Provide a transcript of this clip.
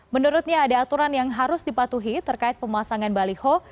menurutnya ada aturan yang harus dipatuhi terkait pemasangan baliho